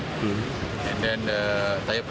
dan tekanan tayar